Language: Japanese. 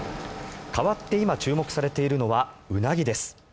代わって、今注目されているのはウナギです。